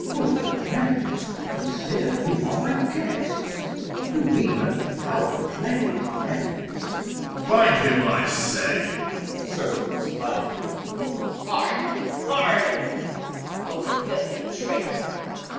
Good my friends, consider You are my guests. Do me no foul play, friends. Corn. Bind him, I say. [Servants bind him.] Reg. Hard, hard. O filthy traitor!